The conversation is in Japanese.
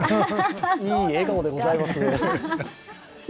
いい笑顔でございます。